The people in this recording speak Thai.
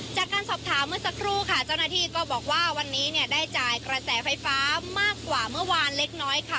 จากการสอบถามเมื่อสักครู่ค่ะเจ้าหน้าที่ก็บอกว่าวันนี้เนี่ยได้จ่ายกระแสไฟฟ้ามากกว่าเมื่อวานเล็กน้อยค่ะ